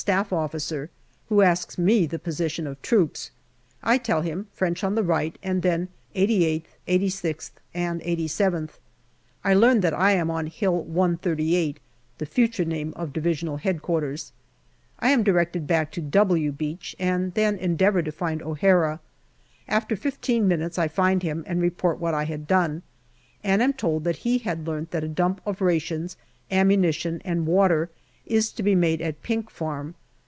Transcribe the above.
S. Officer, who asks me the position of troops. I tell him French on the right, and then 88th, 86th, then 87th. I learn that I am on Hill 138, the future name of D.H.Q. I am directed back to " W " Beach and then endeavour to find O'Hara. After fifteen minutes I find him and report what I had done, and am told that he had learnt that a dump of rations, ammunition, and water is to be made at Pink Farm.